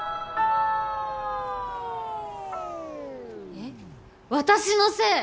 え私のせい！？